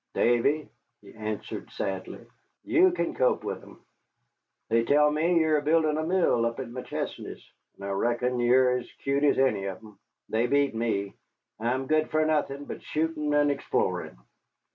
"Davy," he answered sadly, "you kin cope with 'em. They tell me you're buildin' a mill up at McChesney's, and I reckon you're as cute as any of 'em. They beat me. I'm good for nothin' but shootin' and explorin'."